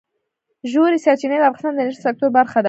ژورې سرچینې د افغانستان د انرژۍ سکتور برخه ده.